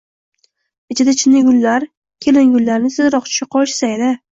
Ichida chinnigullar, kelingullarni tezroq tusha qolishsa edi